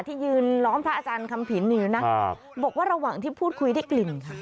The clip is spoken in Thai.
ที่ยืนล้อมพระอาจารย์คำผินอยู่นะบอกว่าระหว่างที่พูดคุยได้กลิ่นค่ะ